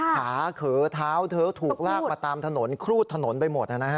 ขาเขอเท้าเธอถูกลากมาตามถนนครูดถนนไปหมดนะฮะ